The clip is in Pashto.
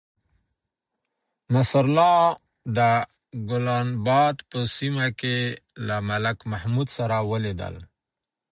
نصرالله د گلناباد په سیمه کې له ملک محمود سره ولیدل.